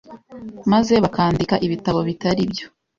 maze bakandika ibitabo bitari byo